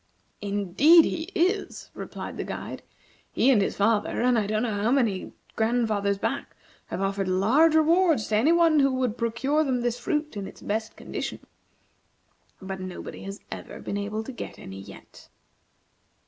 "Indeed he is!" replied the guide. "He and his father, and I don't know how many grandfathers back, have offered large rewards to any one who would procure them this fruit in its best condition. But nobody has ever been able to get any yet."